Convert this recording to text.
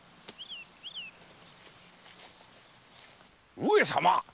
上様！